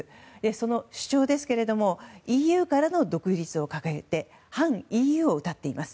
その主張ですがＥＵからの独立を掲げて反ＥＵをうたっています。